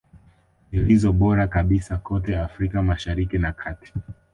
Zilizo bora kabisa kote Afrika Mashariki na kati